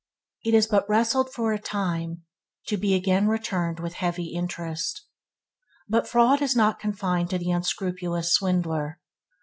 It is but wrested for a time, to be again returned with heavy interest. But fraud is not confined to the unscrupulous swindler.